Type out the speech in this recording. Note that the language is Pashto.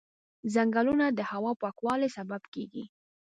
ځنګلونه د هوا پاکوالي سبب کېږي.